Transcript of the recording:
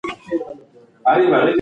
خوبو ته زړونه